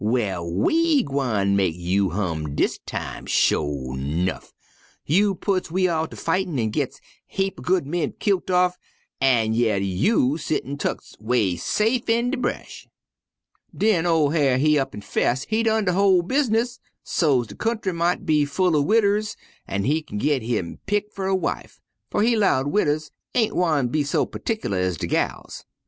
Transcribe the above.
Well, we gwine mek you hum dis time, sho' 'nuff. You putts we all ter fightin' an' gits heap er good men kilt off, an' yer you settin' tuck 'way safe in de bresh.' "Den ol' Hyar' he up an' 'fess he done de hull bizness so's't de kyountry mought be full er widdies an' he git him his pick fer a wife, fer he 'lowed widdies wan't gwine be so p'tickler ez de gals.